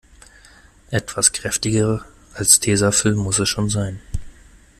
Etwas kräftiger als Tesafilm muss es schon sein.